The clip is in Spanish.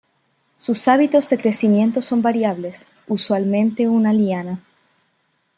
Sus hábitos de crecimiento son variables, usualmente una liana.